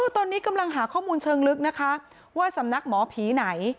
ตอนนี้กำลังหาข้อมูลเชิงลึกนะคะว่าสำนักหมอผีไหน